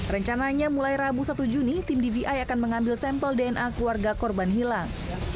rencananya mulai rabu satu juni tim dvi akan mengambil sampel dna keluarga korban hilang